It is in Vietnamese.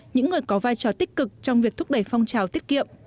những người có vai trò tích cực trong việc thúc đẩy phong trào tiết kiệm